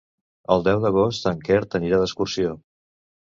El deu d'agost en Quer anirà d'excursió.